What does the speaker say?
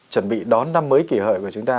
chuẩn bị đón năm mới kỷ hợi của chúng ta